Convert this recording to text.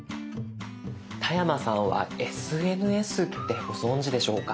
田山さんはＳＮＳってご存じでしょうか？